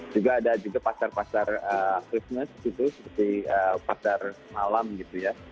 juga ada juga pasar pasar christness gitu seperti pasar malam gitu ya